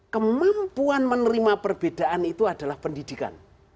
kemampuan menerima perbedaan itu adalah pendidikan